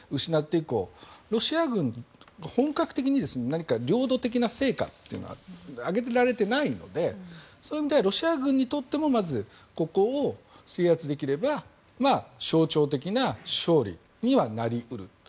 以降ロシア軍は本格的に領土的な成果というのは挙げられていないのでそういう意味ではロシア軍にとってもまずここを制圧できれば象徴的な勝利にはなり得ると。